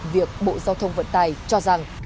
việc bộ giao thông vận tài cho rằng